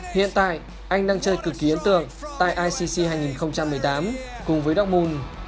hiện tại anh đang chơi cực kỳ ấn tượng tại icc hai nghìn một mươi tám cùng với giorgun